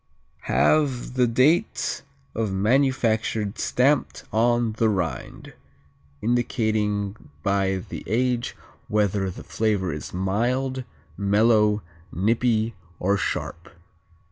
_ Have the date of manufacture stamped on the rind, indicating by the age whether the flavor is "mild, mellow, nippy, or sharp."